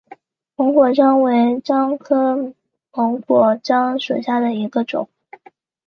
檬果樟为樟科檬果樟属下的一个种。